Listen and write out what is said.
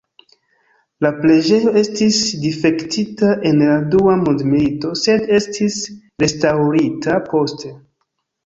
La preĝejo estis difektita en la dua mondmilito, sed estis restaŭrita poste.